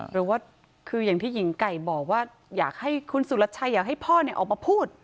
หรือว่าคืออย่างที่หญิงไก่บอกว่าอยากให้คุณสุรชัยอยากให้พ่อออกมาพูด